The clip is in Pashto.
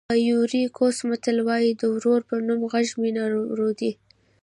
د ایوُري کوسټ متل وایي د ورور په نوم غږ مینه ردوي.